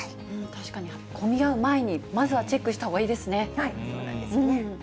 確かに混み合う前にまずはチェックしたほうがいいですね。ということなんですね。